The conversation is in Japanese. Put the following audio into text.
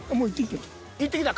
行ってきた？